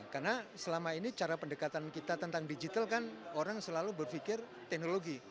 karena selama ini cara pendekatan kita tentang digital kan orang selalu berpikir teknologi